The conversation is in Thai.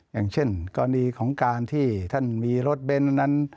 อย่างเช่นกรณีของการที่ท่านมีรถเบนท์นั้น